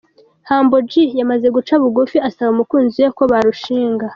Humble G yamaze guca bugufi asaba umukunzi we ko bazarushinga.